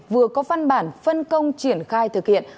vừa có văn bản phân công triển khai thực hiện